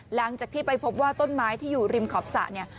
หลังจากที่ไปพบว่าต้นไม้ที่อยู่ริมขอบสระเนี่ย